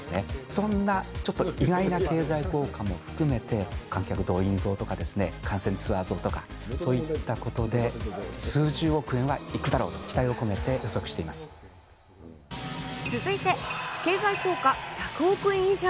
そんなちょっと意外な経済効果も含めて、観客動員増とか、観戦ツアー増とか、そういったことで数十億円はいくだろうと期待を込めて予測してい続いて、経済効果１００億円以上。